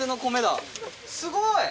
すごい。